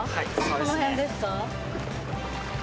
この辺ですか。